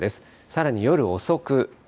さらに夜遅く。